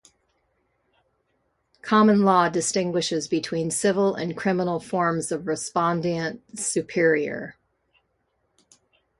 Common law distinguishes between civil and criminal forms of respondeat superior.